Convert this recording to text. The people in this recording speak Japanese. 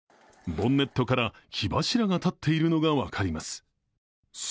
ボンネットから火柱が立っているのが分かります。